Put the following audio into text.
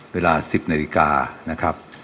เวลา๑๐นาฬิกานะครับ